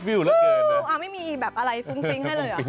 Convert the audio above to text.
อ้าวไม่มีแบบอะไรฟุ้งฟิ้งให้เลยเหรอ